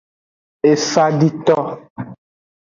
Esadito.